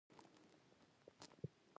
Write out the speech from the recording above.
ذایقه یې دای رایاد کړي.